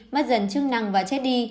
mất dần chức năng và chết đi